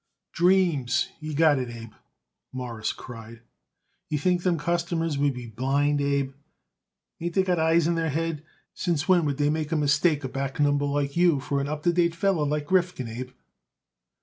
"Dreams you got it, Abe," Morris cried. "You think them customers would be blind, Abe? Ain't they got eyes in their head? Since when would they mistake a back number like you for an up to date feller like Rifkin, Abe?"